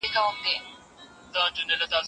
که حالات بدل سي نو د تاریخ لیدلوری هم بدلیږي.